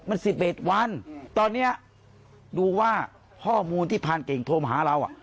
มันสิบเอ็ดวันตอนเนี้ยดูว่าห้อมูลที่พานเก่งโทรมาหาเราอ่ะ